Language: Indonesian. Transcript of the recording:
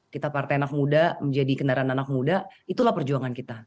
kita partai anak muda menjadi kendaraan anak muda itulah perjuangan kita